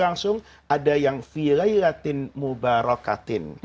ada yang filailatin mubarakatin